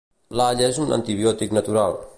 L'all és un antibiòtic natural.